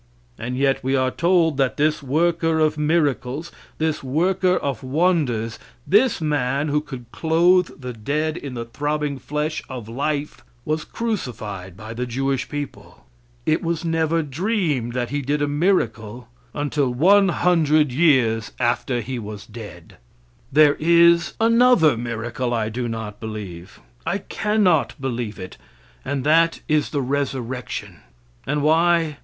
And yet we are told that this worker of miracles, this worker of wonders, this man who could clothe the dead in the throbbing flesh of life, was crucified by the Jewish people. It was never dreamed that he did a miracle until 100 years after he was dead. There is another miracle I do not believe, I cannot believe it, and that is the resurrection. And why?